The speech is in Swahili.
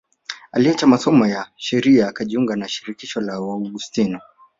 Aliacha masomo ya sheria akajiunga na shirika la Waaugustino